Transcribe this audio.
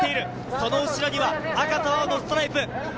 その後ろには赤と青のストライプ。